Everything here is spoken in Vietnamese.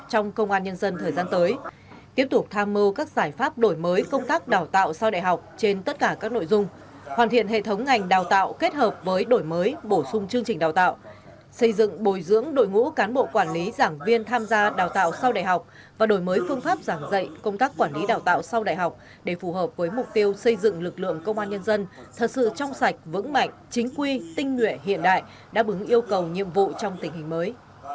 trong công an nhân dân thời gian tới tiếp tục tham mưu các giải pháp đổi mới công tác đào tạo sau đại học trên tất cả các nội dung hoàn thiện hệ thống ngành đào tạo kết hợp với đổi mới bổ sung chương trình đào tạo xây dựng bồi dưỡng đội ngũ cán bộ quản lý giảng viên tham gia đào tạo sau đại học và đổi mới phương pháp giảng dạy công tác quản lý đào tạo sau đại học để phù hợp với mục tiêu xây dựng lực lượng công an nhân dân thật sự trong sạch vững mạnh chính quy tinh nguyện hiện đại đã bứng yêu cầu nhiệm vụ trong tình hình mới